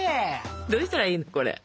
どうしたらいいのこれ。